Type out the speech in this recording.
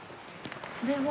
これは？